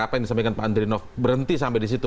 apa yang disampaikan pak andriynoff berhenti sampai disitu